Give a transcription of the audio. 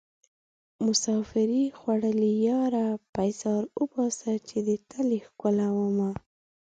مسافرۍ خوړليه ياره پيزار اوباسه چې دې تلې ښکلومه